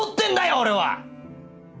俺は！